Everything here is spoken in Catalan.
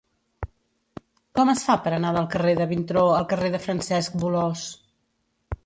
Com es fa per anar del carrer de Vintró al carrer de Francesc Bolòs?